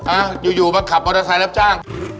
อ่ะอยู่มาขับออสเตอร์ไซน์แล้วจ้าง